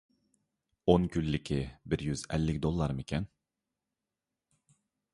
ئون كۈنلۈكى بىر يۈز ئەللىك دوللارمىكەن؟